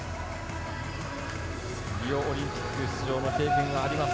リオオリンピック出場の経験があります。